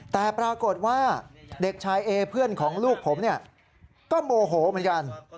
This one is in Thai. แต่ปรากฏว่าเด็กชายเอเพื่อนของลูกผมก็โมโหเหมือนกัน